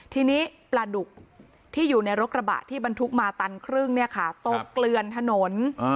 ทีนี้ปลาดุกที่อยู่ในรถกระบะที่บรรทุกมาตันครึ่งตกเกลือนถนน